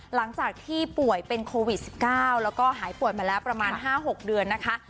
หลังจากที่ป่วยเป็นโควิด๑๙แล้วก็หายป่วยมาแล้วประมาณ๕๖เดือนนะคะ